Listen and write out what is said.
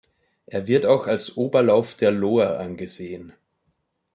Er wird auch als Oberlauf der Lohr angesehen.